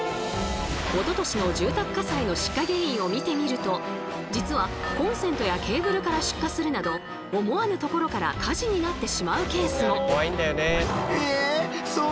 おととしの住宅火災の出火原因を見てみると実はコンセントやケーブルから出火するなど思わぬところから火事になってしまうケースも。